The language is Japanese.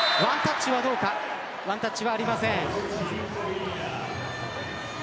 ワンタッチはありません。